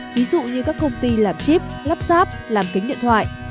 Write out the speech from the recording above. ví dụ như các công ty là chip lắp sáp làm kính điện thoại